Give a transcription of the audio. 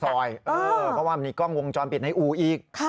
เพราะว่ามีกล้องวงจรปิดในอู่อีก